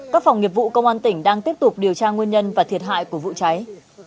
các phòng nghiệp vụ công an tỉnh đang tiếp tục điều tra nguyên nhân và thiệt hại của vụ cháy